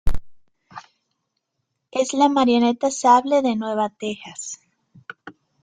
Es la marioneta sable de Nueva Texas.